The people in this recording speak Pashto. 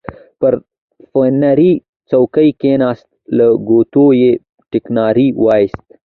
پر فنري څوکۍ کېناست، له ګوتو یې ټکاری وایست.